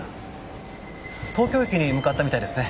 東京駅に向かったみたいですね。